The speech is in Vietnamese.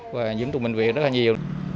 và nhiễm tụng bệnh viện rất là nhiều